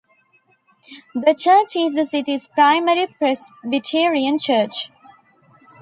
The church is the city's primary Presbyterian church.